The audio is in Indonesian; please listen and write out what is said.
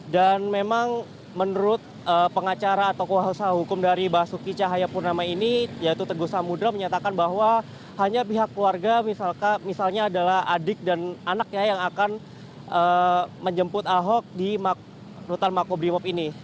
dan memang menurut pengacara atau kuahusah hukum dari basuki cahaya purnama ini yaitu teguh samudera menyatakan bahwa hanya pihak keluarga misalnya adalah adik dan anaknya yang akan menjemput ahok di rutan makobrimob ini